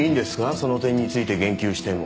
その点について言及しても。